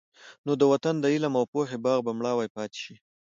نو د وطن د علم او پوهې باغ به مړاوی پاتې شي.